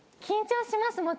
緊張します